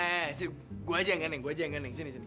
eh sini gue aja yang gandeng gue aja yang gandeng sini sini